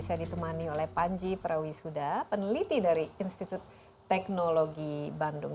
saya ditemani oleh panji prawisuda peneliti dari institut teknologi bandung